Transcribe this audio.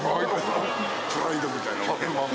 プライドみたいなもん。